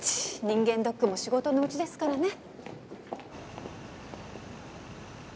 人間ドックも仕事のうちですからね。